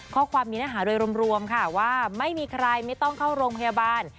ข้อความมีเนื้อหาโดยรวมค่ะว่าไม่มีใครไม่ต้องเข้าโรงพยาบาล